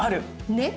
ねっ！